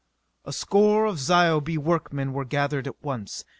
A score of Zyobite workmen were gathered at once.